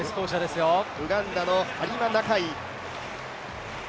ウガンダのハリマ・ナカイ。